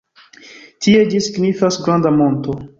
Tie ĝi signifas "granda monto".